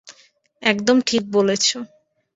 একদম ঠিক বলেছো!